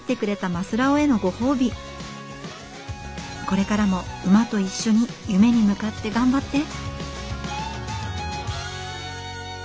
これからも馬と一緒に夢に向かって頑張って。